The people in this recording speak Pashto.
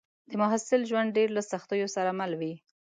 د محصل ژوند ډېر له سختیو سره مل وي